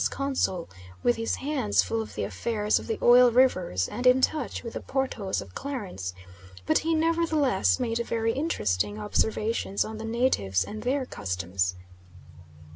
's Consul, with his hands full of the affairs of the Oil Rivers and in touch with the Portos of Clarence, but he nevertheless made very interesting observations on the natives and their customs.